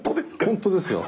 本当ですよ。